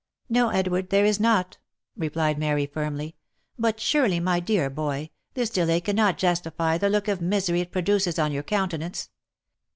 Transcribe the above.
" No, Edward, there is not," replied Mary, firmly ;" but surely, 192 THE LIFE AND ADVENTURES my dear boy, this delay cannot justify the look of misery it produces on your countenance.